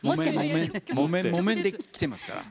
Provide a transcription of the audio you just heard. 木綿できてますから。